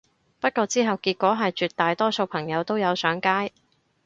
不過之後結果係絕大多數朋友都有上街